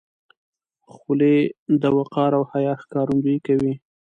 خولۍ د وقار او حیا ښکارندویي کوي.